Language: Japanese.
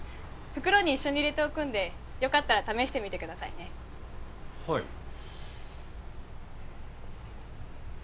袋に一緒に入れておくんでよかったら試してみてくださいねはい